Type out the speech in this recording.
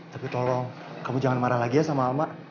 tapi tolong kamu jangan marah lagi ya sama alma